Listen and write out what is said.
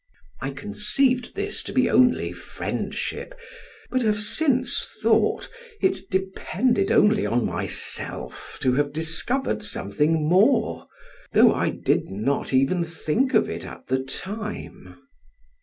I conceived this to be only friendship; but have since thought it depended only on myself to have discovered something more, though I did not even think of it at the time.